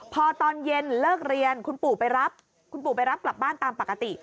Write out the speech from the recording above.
พอตอนเย็นเลิกเรียนคุณปู่ไปรับคุณปู่ไปรับกลับบ้านตามปกติ